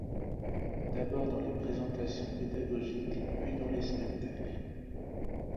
D’abord dans les présentations pédagogiques, puis dans les spectacles.